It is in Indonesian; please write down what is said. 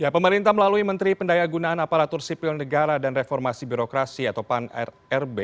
pemerintah melalui menteri pendaya gunaan aparatur sipil negara dan reformasi birokrasi atau pan rrb